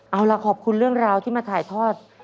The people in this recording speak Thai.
เอาล่ะขอบคุณเรื่องราวที่มาถ่ายทอด